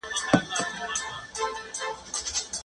سوله ييز سياست د ټولني پرمختګ تضمينوي.